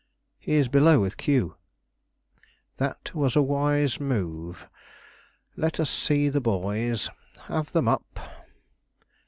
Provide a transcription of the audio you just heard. "He is below with Q." "That was a wise move; let us see the boys; have them up."